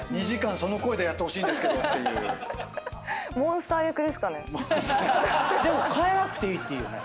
２時間その声でやってほしいんですけどっていう。